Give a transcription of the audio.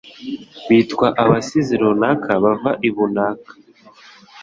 bitwa ABASIZI runaka bava ibunaka